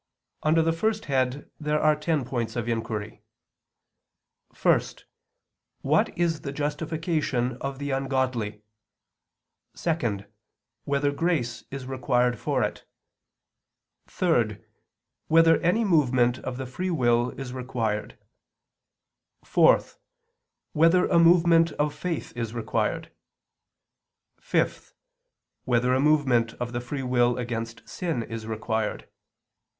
Under the first head there are ten points of inquiry: (1) What is the justification of the ungodly? (2) Whether grace is required for it? (3) Whether any movement of the free will is required? (4) Whether a movement of faith is required? (5) Whether a movement of the free will against sin is required?